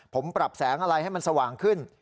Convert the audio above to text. ผมปรับแสงอะไรให้มันสว่างขึ้น